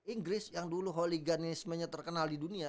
inggris yang dulu holiganismenya terkenal di dunia